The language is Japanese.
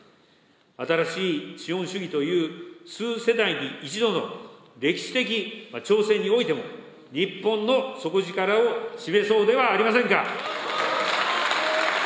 新しい資本主義という数世代に一度の歴史的挑戦においても、日本の底力を示そうではありませんか。